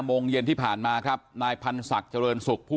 โมงเย็นที่ผ่านมาครับนายพันธ์ศักดิ์เจริญสุขผู้